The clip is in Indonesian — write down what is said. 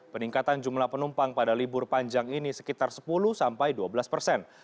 peningkatan jumlah penumpang pada libur panjang ini sekitar sepuluh sampai dua belas persen